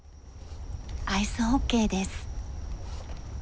アイスホッケーです。